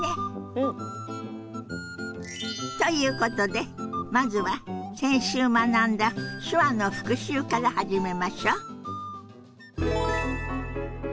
うん！ということでまずは先週学んだ手話の復習から始めましょ。